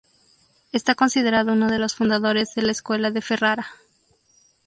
Está considerado uno de los fundadores de la Escuela de Ferrara.